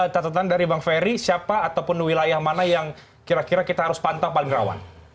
catatan dari bang ferry siapa ataupun wilayah mana yang kira kira kita harus pantau paling rawan